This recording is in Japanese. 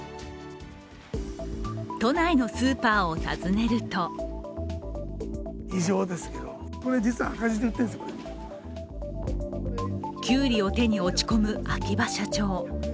都内のスーパーを訪ねるとキュウリを手に落ち込む秋葉社長。